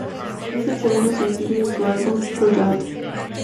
Es el segundo sencillo de su álbum "Royalty".